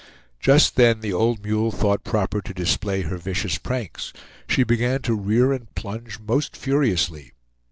Just then the old mule thought proper to display her vicious pranks; she began to rear and plunge most furiously.